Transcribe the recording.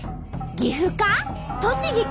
岐阜か？